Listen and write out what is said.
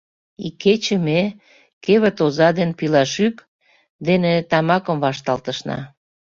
Икече ме кевыт оза ден пилашӱк дене тамакам вашталтышна!..